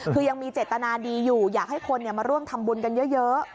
คือยังมีเจตนาดีอยู่อยากให้คนมาร่วมทำบุญกันเยอะ